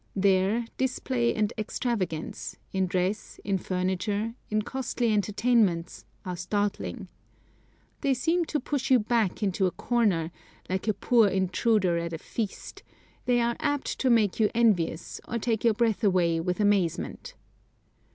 There, display and extravagance, in dress, in furniture, in costly entertainments, are startling. They seem to push you back into a corner, like a poor intruder at a feast; they are apt to make you envious, or take your breath away with amazement.